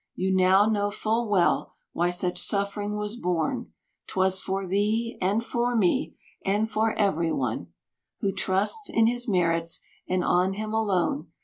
You now know full well why such suffering was borne, 'Twas for thee, and for me, and for every one Who trusts in his merits and on him alone.